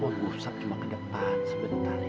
om gustaf cuma ke depan sebentar ya